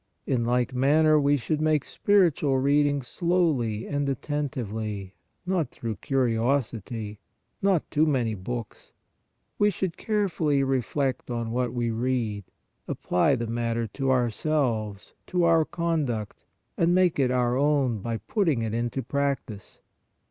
In like manner, we should make spiritual read ing slowly and attentively, not through curiosity; not too many books ; we should carefully reflect on PIOUS READING 167 what we read, apply the matter to ourselves, to our conduct, and make it our own by putting it into practice.